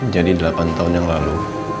jadi delapan tahun yang lalu